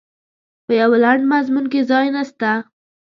په یوه لنډ مضمون کې ځای نسته.